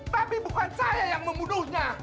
tapi bukan saya yang membunuhnya